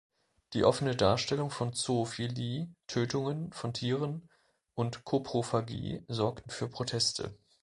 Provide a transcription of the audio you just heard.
Die offene Darstellung von Zoophilie, Tötungen von Tieren und Koprophagie sorgten für Proteste.